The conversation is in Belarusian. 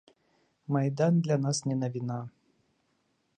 Майдан для нас не навіна.